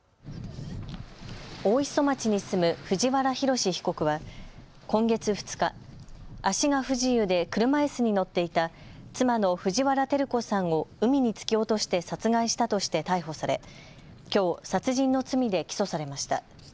大磯町に住む藤原宏被告は今月２日、足が不自由で車いすに乗っていた妻の藤原照子さんを海に突き落として殺害したとして逮捕されきょう、殺人の罪で起訴されました。